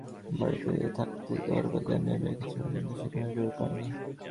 আমাদের বাড়িতে থাকতেই দরবার জানিয়ে রেখেছিলুম কিন্তু সেখানে জোর পাই নি।